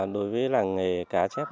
đối với làng nghề cá chép